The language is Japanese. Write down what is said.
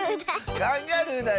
カンガルーだよ。